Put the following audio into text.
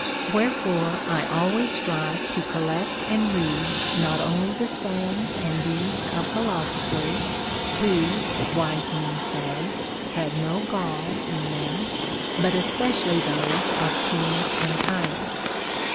\Vherefore I always strive to collect and read not only the sayings and deeds of philosophers, who (wise men say) had no gall in them, but especially those of kings and tyrants.